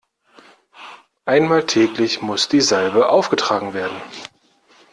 Einmal täglich muss die Salbe aufgetragen werden.